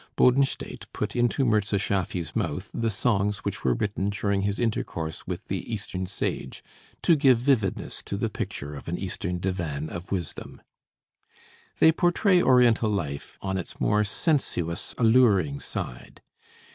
Bodenstedt put into Mirza Schaffy's mouth the songs which were written during his intercourse with the Eastern sage, to give vividness to the picture of an Eastern divan of wisdom. They portray Oriental life on its more sensuous, alluring side.